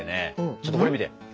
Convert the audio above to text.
ちょっとこれ見て。